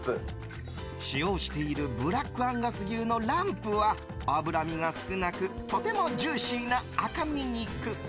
使用しているブラックアンガス牛のランプは脂身が少なくとてもジューシーな赤身肉。